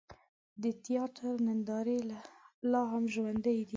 د تیاتر نندارې لا هم ژوندۍ دي.